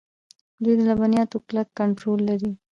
دوی د لبنیاتو کلک کنټرول لري.